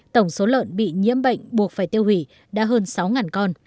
tổng số lợn bị nhiễm bệnh buộc phải tiêu hủy đã hơn sáu con